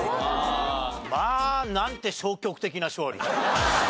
まあなんて消極的な勝利。